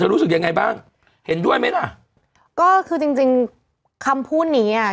รู้สึกยังไงบ้างเห็นด้วยไหมล่ะก็คือจริงจริงคำพูดนี้อ่ะ